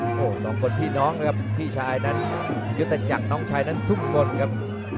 โอ้โหสองคนพี่น้องนะครับพี่ชายนั้นยุทธจักรน้องชายนั้นทุกคนครับ